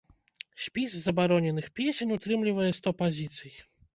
Спіс забароненых песень утрымлівае сто пазіцый.